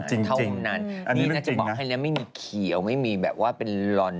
เท่านั้นนี่น่าจะบอกให้แล้วไม่มีเขียวไม่มีแบบว่าเป็นลอน